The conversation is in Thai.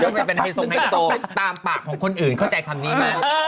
มึงโรแมนไฮโซให้ตัวไปตามปากของคนอื่นเขาใจคำนี้มา